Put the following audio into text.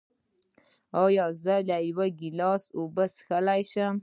ایا زه له یو ګیلاس اوبه څښلی شم؟